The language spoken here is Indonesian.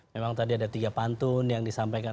memang tadi ada tiga pantun yang disampaikan